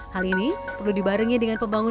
hal ini perlu dibarengi dengan pembangunan